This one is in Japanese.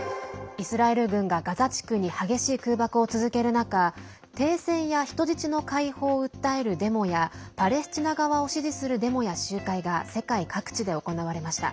イスラエル軍がガザ地区に激しい空爆を続ける中停戦や人質の解放を訴えるデモやパレスチナ側を支持するデモや集会が世界各地で行われました。